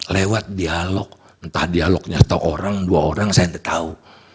lewat dialog entah dialognya atau orang dua orang saya tidak tahu